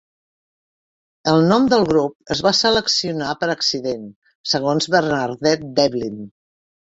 El nom del grup es va seleccionar per accident, segons Bernadette Devlin.